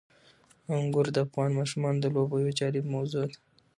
انګور د افغان ماشومانو د لوبو یوه جالبه موضوع ده.